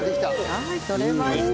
はい取れました。